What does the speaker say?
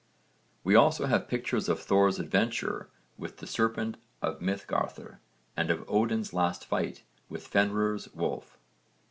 We also have pictures of Thor's adventure with the serpent of Miðgarðr and of Odin's last fight with Fenrir's Wolf.